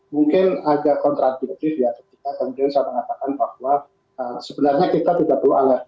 mungkin ada kontraknya